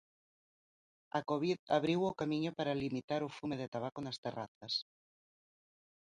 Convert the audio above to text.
A covid abriu o camiño para limitar o fume de tabaco nas terrazas.